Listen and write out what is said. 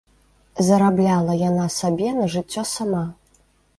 Зарабляла яна сабе на жыццё сама.